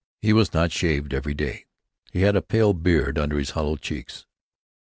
He was not shaved every day; he had a pale beard under his hollow cheeks....